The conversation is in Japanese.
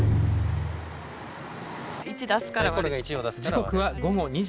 時刻は午後２時。